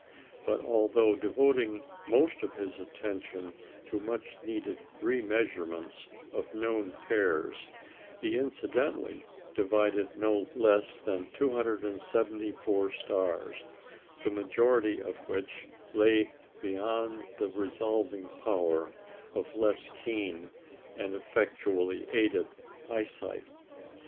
But although devoting most of his attention to much needed remeasurements of known pairs, he incidentally divided no less than 274 stars, the majority of which lay beyond the resolving power of less keen and effectually aided eyesight.